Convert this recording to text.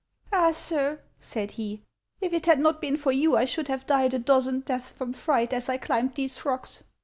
"Ah, sir," said he, " if it had not been for you I should have died a dozen deaths from fright as I climbed these rocks.